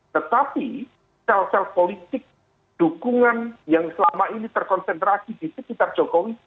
tetapi sel sel politik dukungan yang selama ini terkonsentrasi di sekitar jokowi